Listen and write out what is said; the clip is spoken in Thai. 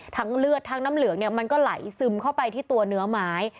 เลือดทั้งน้ำเหลืองเนี่ยมันก็ไหลซึมเข้าไปที่ตัวเนื้อไม้